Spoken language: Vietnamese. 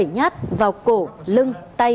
bảy nhát vào cổ lưng tay